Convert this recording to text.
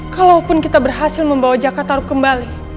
kalaupun kita berhasil membawa jakarta kembali